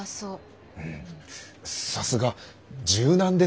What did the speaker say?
うんさすが柔軟ですね。